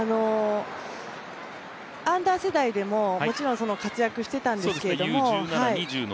アンダー世代でももちろん活躍してたんですけれども。